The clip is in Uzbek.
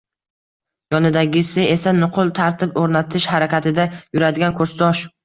Yonidagisi esa nuqul tartib oʻrnatish harakatida yuradigan kursdosh